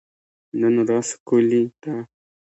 نن ورځ ښکلي ده.